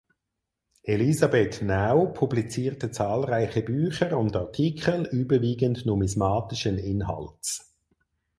Elisabeth Nau publizierte zahlreiche Bücher und Artikel überwiegend numismatischen Inhalts.